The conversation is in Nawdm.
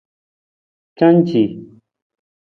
Canci.